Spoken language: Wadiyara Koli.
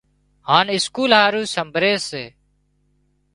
هانَ اسڪول هارو سمڀري سي۔